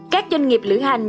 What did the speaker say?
các doanh nghiệp lửa hành